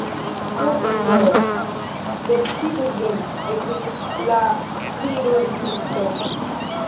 Nu, sinjoro, decidu vin, ekkriis la ĥirurgiisto.